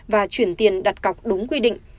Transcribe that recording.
và chuyển tiền đặt cọc đúng quy định